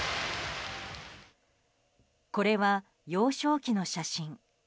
これは幼少期の写真。